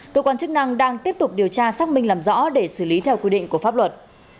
cơ quan chức năng đang tiếp tục điều tra xác minh làm rõ để xử lý theo quy định của pháp luật